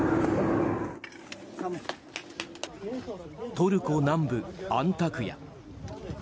トルコ南部アンタクヤ。